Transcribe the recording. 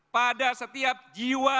pada setiap jiwa